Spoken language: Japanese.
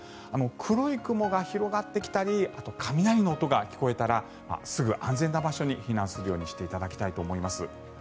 黒い雲が広がってきたりあとは雷の音が聞こえたらすぐ安全な場所に避難するようにしていただきたいと思います。